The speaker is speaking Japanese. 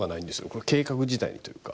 この計画自体にというか。